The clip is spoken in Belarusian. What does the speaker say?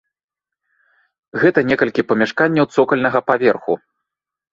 Гэта некалькі памяшканняў цокальнага паверху.